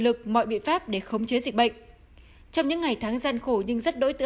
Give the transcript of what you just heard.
nguyên liệu và biện pháp để khống chế dịch bệnh trong những ngày tháng gian khổ nhưng rất đối tự